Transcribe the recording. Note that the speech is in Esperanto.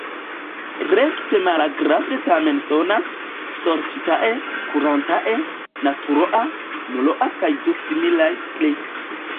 Rekte malagrable tamen sonas: sorĉitae, kurantae, naturoa, nuloa kaj du similaj pli.